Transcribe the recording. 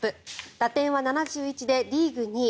打点は７１でリーグ２位。